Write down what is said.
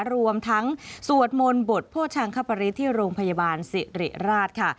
รวมทั้งสวดมนต์บทโภชังคปริศที่โรงพยาบาลสิริราชค่ะ